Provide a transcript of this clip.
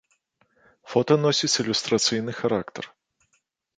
Фота носіць ілюстрацыйны характар.